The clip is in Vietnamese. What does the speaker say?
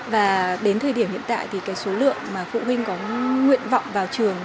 và đến thời điểm hiện tại thì cái số lượng mà phụ huynh có nguyện vọng vào trường